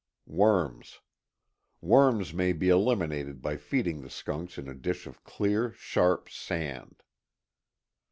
WormsŌĆöWorms may be eliminated by feeding the skunks in a dish of clear, sharp, sand.